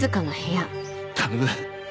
頼む